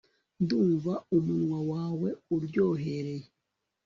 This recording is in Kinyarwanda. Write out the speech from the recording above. Ndumva umunwa wawe uryohereye